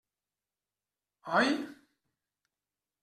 Oi?